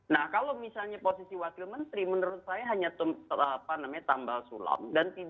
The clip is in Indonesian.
nah kalau misalnya posisi wakil menteri menurut saya hanya tambal sulam